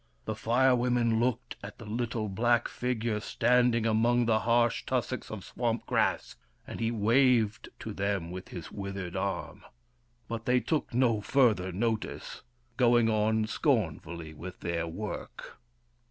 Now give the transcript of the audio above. The Fire Women looked at the little black figure standing among the harsh tussocks of swamp grass, and he waved to them with his withered arm. But they took no further notice, going on scornfully with their work.